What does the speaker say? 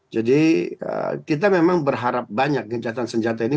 jadi kita memang berharap banyak gencatan senjata ini